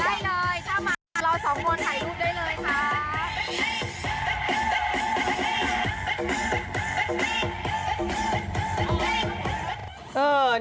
ได้เลยถ้ามารอ๒โมงถ่ายรูปได้เลยค่ะ